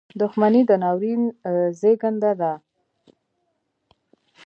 • دښمني د ناورین زېږنده ده.